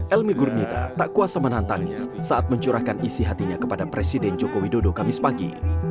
elmi gurnita tak kuasa menantangnya saat mencurahkan isi hatinya kepada presiden joko widodo kamis pagi